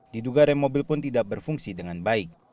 diduga rem mobil pun tidak berfungsi dengan baik